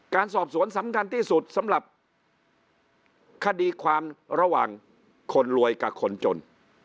การสอบสวนสำคัญที่สุดสำหรับคดีความระหว่างคนรวยกับคนจน